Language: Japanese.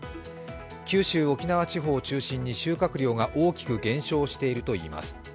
九州・沖縄地方を中心に収穫量が大きく減少しているといいます。